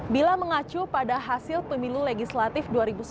bila mengacu pada hasil pemilu legislatif dua ribu sembilan belas